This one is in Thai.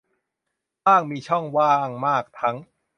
บ้างมีช่องว่างมากทั้ง